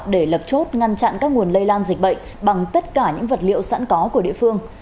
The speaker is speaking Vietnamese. để lập chốt ngăn chặn các nguồn lây lan dịch bệnh bằng tất cả những vật liệu sẵn có của địa phương